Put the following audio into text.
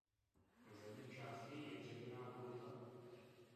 V zadní části je dřevěná kruchta.